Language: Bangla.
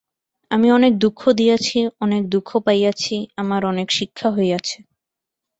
আমি অনেক দুঃখ দিয়াছি, অনেক দুঃখ পাইয়াছি, আমার অনেক শিক্ষা হইয়াছে।